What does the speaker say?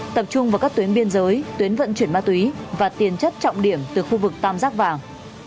tập trung vào các tuyến biên giới tuyến vận chuyển ma túy và tiền chất trọng điểm từ khu vực tam giác vàng